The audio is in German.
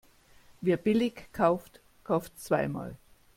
Wer billig kauft, kauft zweimal.